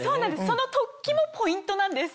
その突起もポイントなんです。